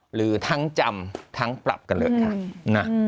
หรือทั้งจำทั้งปรับกันเลยค่ะ